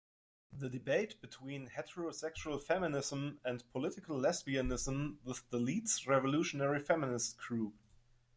The Debate Between Heterosexual Feminism and Political Lesbianism with the Leeds Revolutionary Feminist Group.